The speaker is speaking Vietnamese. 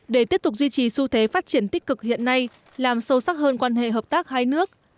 để tiếp tục duy trì xu thế phát triển tích cực hiện nay làm sâu sắc hơn quan hệ hợp tác hai nước